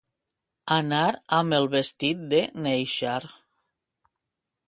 Anar amb el vestit de néixer.